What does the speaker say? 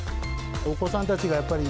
お子さんたちがやっぱり、